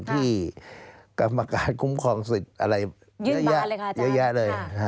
ที่กรรมการคุ้มครองสิทธิ์อะไรเยอะแยะเยอะแยะเลย